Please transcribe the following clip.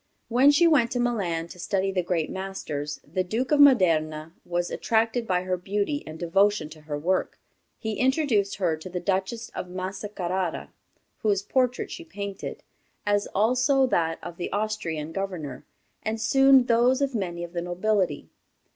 When she went to Milan, to study the great masters, the Duke of Modena was attracted by her beauty and devotion to her work. He introduced her to the Duchess of Massa Carrara, whose portrait she painted, as also that of the Austrian governor, and soon those of many of the nobility.